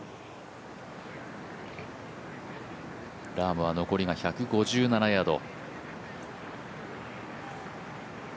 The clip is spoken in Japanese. ラームは残りが１５７ヤード。